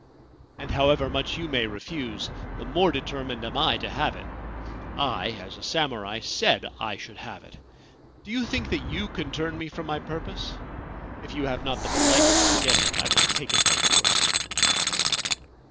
' And, however much you may refuse, the more deter mined am I to have it. I as a samurai said I should have it. Do you think that you can turn me from my purpose ? If you have not the politeness to get it, I will take it by force.'